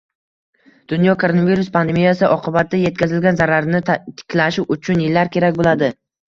Dunyo koronavirus pandemiyasi oqibatida etkazilgan zararni tiklashi uchun yillar kerak bo'ladi